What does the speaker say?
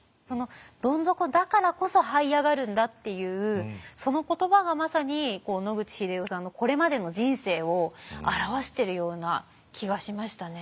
どん底だからこそはい上がるんだっていうその言葉がまさに野口英世さんのこれまでの人生を表してるような気がしましたね。